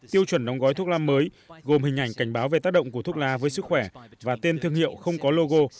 tiêu chuẩn đong gói thuốc lá mới gồm hình ảnh cảnh báo về tác động của thuốc lá với sức khỏe và tên thương hiệu không có logo